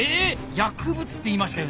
⁉薬物って言いましたよね！